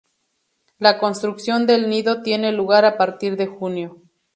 La construcción del nido tiene lugar a partir de junio.